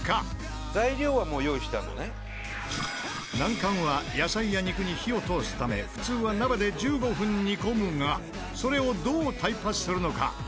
難関は野菜や肉に火を通すため普通は鍋で１５分煮込むがそれをどうタイパするのか？